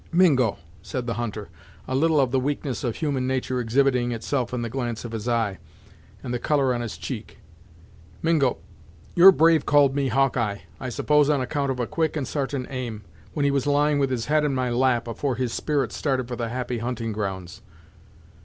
"Mingo," said the hunter, a little of the weakness of human nature exhibiting itself in the glance of his eye, and the colour on his cheek "Mingo, your brave called me Hawkeye, I suppose on account of a quick and sartain aim, when he was lying with his head in my lap, afore his spirit started for the Happy Hunting Grounds."